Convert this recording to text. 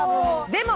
でも！